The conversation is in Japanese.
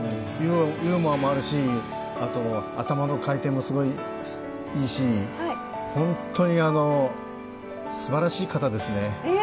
ユーモアもあるし、頭の回転もすごいいし、本当にすばらしい方ですね。